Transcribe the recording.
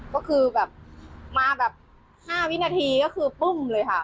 ก็คือแบบมาแบบ๕วินาทีก็คือปุ้มเลยค่ะ